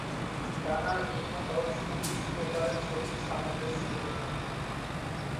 ডানার নিম্নতল পুরুষ প্রকারের সহিত সামঞ্জস্যপূর্ণ।